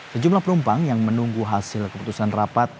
sejumlah penumpang yang menunggu hasil keputusan rapat